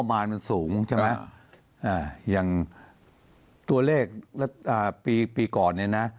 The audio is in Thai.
มารมันสูงใช่ไหมอ่าอย่างตัวเลขปีปีก่อนเนี่ยนะ